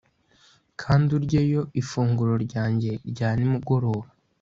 kandi uryeyo ifunguro ryanjye rya nimugoroba